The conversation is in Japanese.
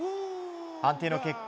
判定の結果